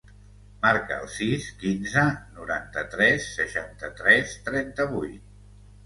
Marca el sis, quinze, noranta-tres, seixanta-tres, trenta-vuit.